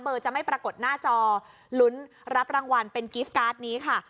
จะไม่ปรากฏหน้าจอลุ้นรับรางวัลเป็นกิฟต์การ์ดนี้ค่ะ